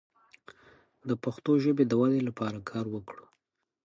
د پښتو ژبې د ودې لپاره کار وکړو.